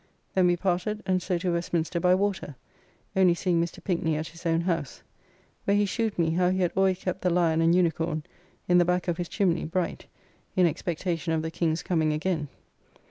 Then we parted, and so to Westminster by water, only seeing Mr. Pinkney at his own house, where he shewed me how he had alway kept the Lion and Unicorn, in the back of his chimney, bright, in expectation of the King's coming again.